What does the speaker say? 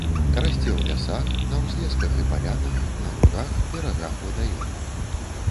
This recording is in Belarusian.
Расце ў лясах, на ўзлесках і палянах, на лугах, берагах вадаёмаў.